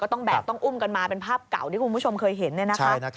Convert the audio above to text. ก็ต้องแบบต้องอุ้มกันมาเป็นภาพเก่าที่คุณผู้ชมเคยเห็น